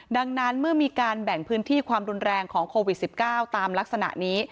ดังนั้นเมื่อมีการแบ่งพื้นที่ความรุนแรงของโควิด๑๙ตามลักษณะนี้